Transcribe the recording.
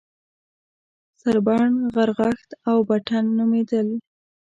سړبن، غرغښت او بټن نومېدل.